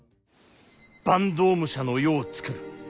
坂東武者の世をつくる。